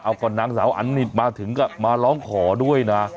เอาก่อนนางสาวอันนิดมาถึงก็มาร้องขอด้วยนะ